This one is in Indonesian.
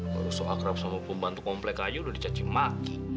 kalau sok akrab sama pembantu komplek aja udah dicacimaki